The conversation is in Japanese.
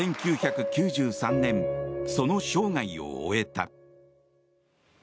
１９９３年、その生涯を終えた。